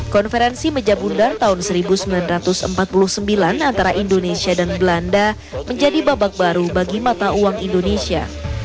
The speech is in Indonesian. konferensi meja bundan tahun seribu sembilan ratus empat puluh sembilan antara indonesia dan belanda menjadi babak baru bagi mata uang indonesia